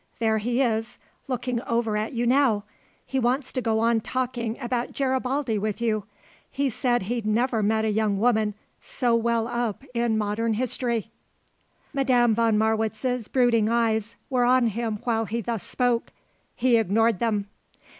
There he is, looking over at you now; he wants to go on talking about Garibaldi with you. He said he'd never met a young woman so well up in modern history." Madame von Marwitz's brooding eyes were on him while he thus spoke. He ignored them.